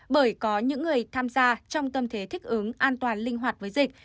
bởi có những người tham gia trong tâm thế thích ứng an toàn linh hoạt với dịch